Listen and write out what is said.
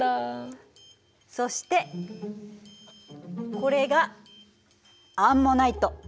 そしてこれがアンモナイト。